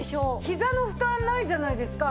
ひざの負担ないじゃないですか。